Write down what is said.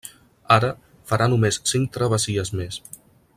Ara farà només cinc travessies més.